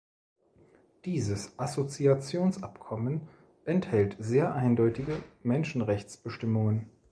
Dieses Assoziationsabkommen enthält sehr eindeutige Menschenrechtsbestimmungen.